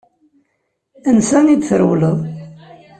Ansa i trewleḍ?